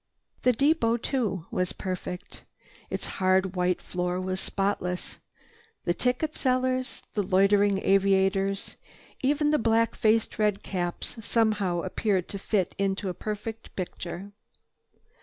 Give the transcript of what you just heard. The depot, too, was perfect. Its hard white floor was spotless. The ticket sellers, the loitering aviators, even the black faced redcaps somehow appeared to fit into a perfect picture.